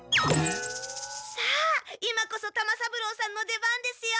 さあ今こそ玉三郎さんの出番ですよ！